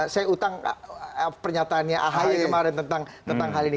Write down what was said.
saya utang pernyataannya ahy kemarin tentang hal ini